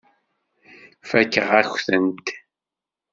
Fakeɣ-akent-tent.